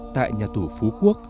tại nhà tù phú quốc